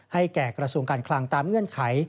แก่กระทรวงการคลังตามเงื่อนไข